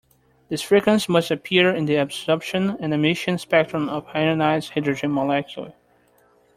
This frequency must appear in the absorption and emission spectrum of ionized hydrogen molecule.